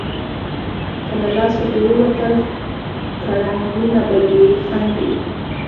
که له لاسه دې ووتل، کړنګونه به دې خنډ وي.